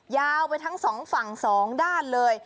ยาวไปทั้งสองฝั่งสองด้านเลย